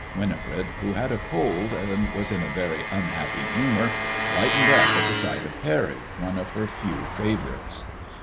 Winifi*ed, who had a cold, and was in a very unhappy humour, brightened up at the sight of Parry, one of her few favourites.